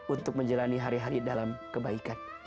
untuk menjalani hari hari dalam kebaikan